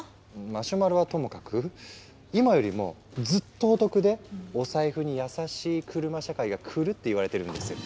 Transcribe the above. マシュマロはともかく今よりもずっとお得でお財布に優しい車社会が来るっていわれてるんですよ。